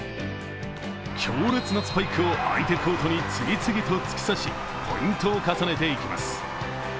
強烈なスパイクを相手コートに次々と突き刺しポイントを重ねていきます。